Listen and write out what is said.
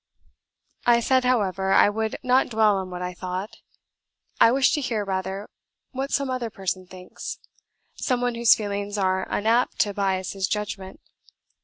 I said, however, I would not dwell on what I thought; I wish to hear, rather, what some other person thinks, some one whose feelings are unapt to bias his judgment.